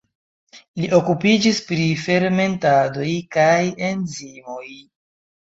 Li okupiĝis pri fermentadoj kaj enzimoj.